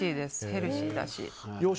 ヘルシーだし。